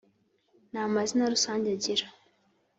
Na mazina rusange agira